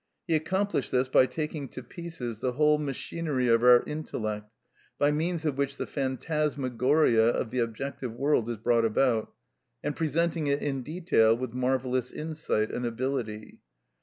He accomplished this by taking to pieces the whole machinery of our intellect by means of which the phantasmagoria of the objective world is brought about, and presenting it in detail with marvellous insight and ability.